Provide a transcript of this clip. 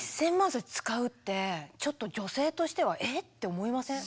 それ使うってちょっと女性としては「え？」って思いません？